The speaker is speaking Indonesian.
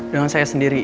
dengan saya sendiri